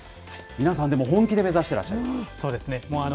皆さん、でも本気で目指していらそうですね。